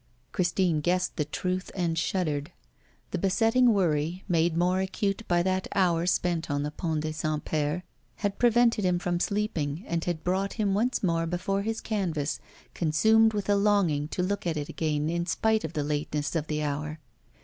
Christine guessed the truth and shuddered. The besetting worry, made more acute by that hour spent on the Pont des Saints Pères, had prevented him from sleeping and had brought him once more before his canvas, consumed with a longing to look at it again, in spite of the lateness of the hour.